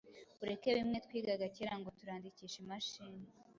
ureke bimwe twigaga kera ngo turandikisha imashini.